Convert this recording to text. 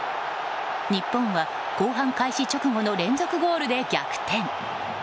日本は後半開始直後の連続ゴールで逆転。